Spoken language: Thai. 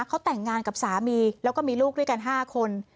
เขาแต่งงานกับสามีแล้วก็มีลูกด้วยกัน๕คน